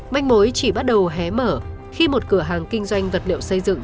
manh mối chỉ bắt đầu hé mở khi một cửa hàng kinh doanh vật liệu xây dựng